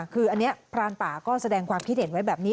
คืออันนี้พรานป่าก็แสดงความคิดเห็นไว้แบบนี้